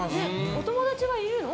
お友達がいるの？